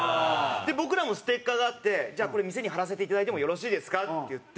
で僕らもステッカーがあって「じゃあこれ店に貼らせていただいてもよろしいですか？」って言って。